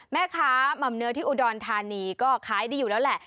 แม่ค้าหม่อมเนื้อที่อุดรธานีก็ขายดีอยู่แล้วแหละ